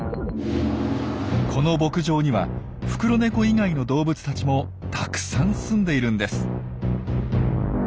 この牧場にはフクロネコ以外の動物たちもたくさん住んでいるんです。